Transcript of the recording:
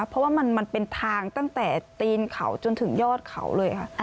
เพราะว่ามันเป็นทางตั้งแต่ตีนเขาจนถึงยอดเขาเลยค่ะ